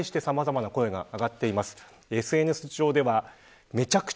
この行動に対してさまざまな声が上がっています。